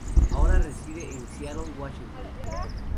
Ahora reside en Seattle, Washington.